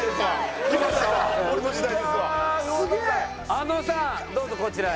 あのさんどうぞこちらへ。